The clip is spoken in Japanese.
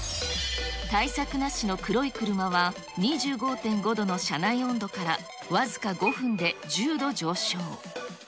対策なしの黒い車は、２５．５度の車内温度から僅か５分で１０度上昇。